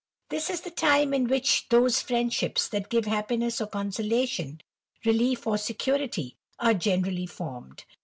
This is the time in which those friendships that give happiness or consolation, relief or security, are generally formed.